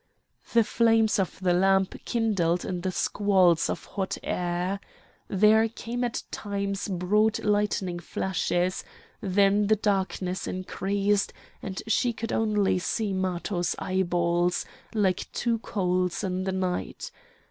The flames of the lamp kindled in the squalls of hot air. There came at times broad lightning flashes; then the darkness increased; and she could only see Matho's eyeballs like two coals in the night.